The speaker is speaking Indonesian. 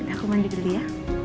aku mandi dulu ya